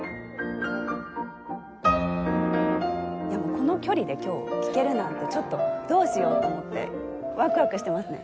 この距離で今日聴けるなんてちょっとどうしようと思ってワクワクしてますね。